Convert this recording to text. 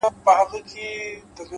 بریا له چمتووالي سره مینه لري’